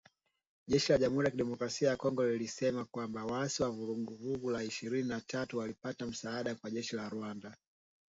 Jeshi la Jamhuri ya Kidemokrasia ya Kongo lilisema kwamba “waasi wa Vuguvugu la Ishirini na tatu, walipata msaada kwa jeshi la Rwanda"